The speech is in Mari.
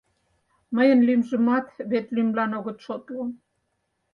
Мыйын лӱмжымат вет лӱмлан огыт шотло.